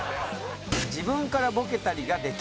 「自分からボケたりができず」。